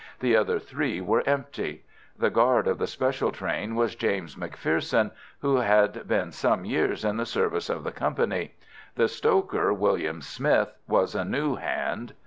The other three were empty. The guard of the special train was James McPherson, who had been some years in the service of the company. The stoker, William Smith, was a new hand.